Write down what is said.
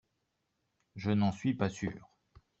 Je n’en suis pas sûre